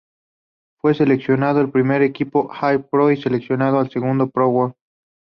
Fue seleccionado al primer equipo All-Pro y seleccionado a su segundo Pro Bowl.